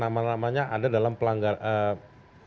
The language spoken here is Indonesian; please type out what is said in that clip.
nama namanya ada dalam pelanggaran